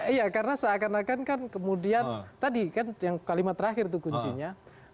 iya karena seakan akan kan kemudian tadi kan yang kalimat terakhir itu kuncinya